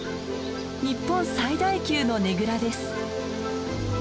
日本最大級のねぐらです。